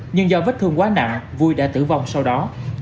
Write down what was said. nhưng do vết thương quá nặng vui đã tử vong sau đó